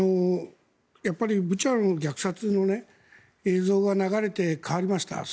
やっぱりブチャの虐殺の映像が流れて変わりました。